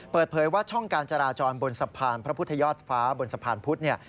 เปิดเผยว่าช่องการจราจรบนสะพานพระพุทธยอดฟ้าบนสะพานพุทธเนี่ย